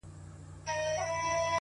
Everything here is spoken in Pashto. هغوو ته ځکه تر لیلامه پوري پاته نه سوم،